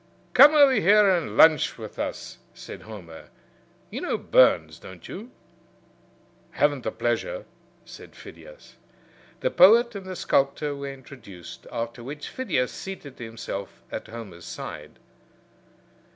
"Come over here and lunch with us," said Homer. "You know Burns, don't you?" "Haven't the pleasure," said Phidias. The poet and the sculptor were introduced, after which Phidias seated himself at Homer's side.